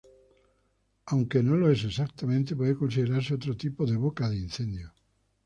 Aunque no lo es exactamente, puede considerarse otro tipo de boca de incendio.